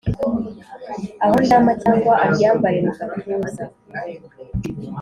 aho ndyama cyangwa aryambare mugatuza